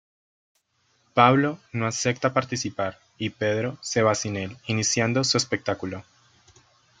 Pablo no acepta participar y Pedro se va sin el, iniciando su espectáculo.